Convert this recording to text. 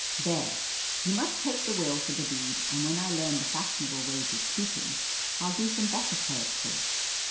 "There! you must take the will for the deed, and when I learn the fashionable way of speaking, I'll do some better poetry.